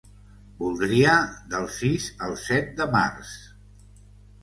Voldria del sis al set de març.